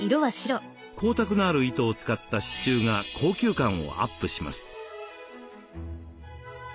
光沢のある糸を使った刺しゅうが高級感をアップします。